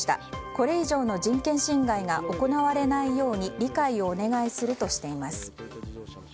これ以上の人権侵害が行われないように理解をお願いするとしています。